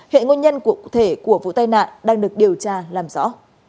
hệ nguyên nhân cụ thể của vụ tai nạn đang được điều tra làm rõ